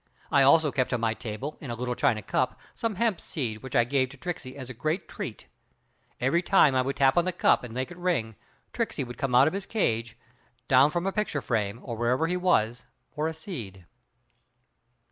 I also kept on my table in a little china cup, some hemp seed which I gave to Tricksey as a great treat. Every time I would tap on the cup and make it ring, Tricksey would come out of his cage, down from a picture frame, or wherever he was, for a seed.